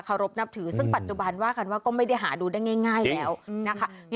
รบนับถือซึ่งปัจจุบันว่ากันว่าก็ไม่ได้หาดูได้ง่ายแล้วนะคะ